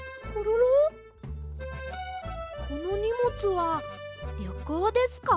このにもつはりょこうですか？